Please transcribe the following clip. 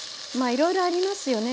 いろいろありますよね